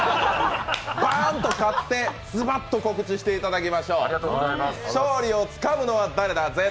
バーンと勝って、ズバッと告知していただきましょう。